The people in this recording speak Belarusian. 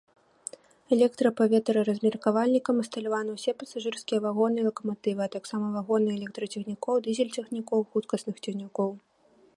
Электрапаветраразмеркавальнікам абсталяваны усе пасажырскія вагоны і лакаматывы, а таксама вагоны электрацягнікоў, дызель-цягнікоў, хуткасных цягнікоў.